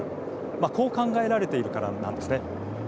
こう考えられているからなんです。